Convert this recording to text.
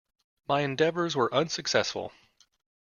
My endeavours were unsuccessful.